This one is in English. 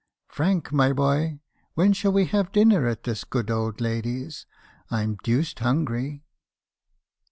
<u Frank, my boy, when shall we have dinner at this good old lady's? I 'm deuced hungry.'